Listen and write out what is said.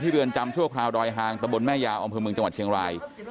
เรือนจำชั่วคราวดอยหางตะบนแม่ยาวอำเภอเมืองจังหวัดเชียงราย